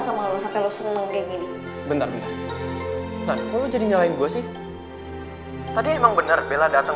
sama lu sampai lu seneng gini bentar bentar jadi ngalamin gue sih tadi emang bener bella datang